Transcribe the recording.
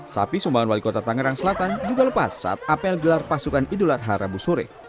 sapi sumbangan wali kota tangerang selatan juga lepas saat apel gelar pasukan idulat harabu surek